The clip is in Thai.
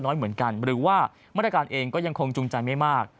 น้อยเหมือนกันหรือว่ามาตรการเองก็ยังคงจุงใจไม่มาก